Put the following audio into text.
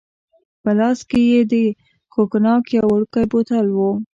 په لاس کې يې د کوګناک یو وړوکی بوتل وو.